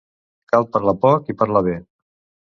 Cal parlar poc i parlar bé.